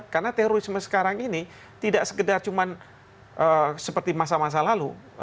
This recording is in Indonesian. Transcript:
karena terorisme sekarang ini tidak sekedar seperti masa masa lalu